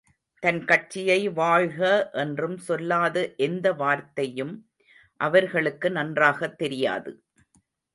தன் கட்சியை வாழ்க என்றும் சொல்லாத எந்த வார்த்தையும், அவர்களுக்கு நன்றாகத் தெரியாது.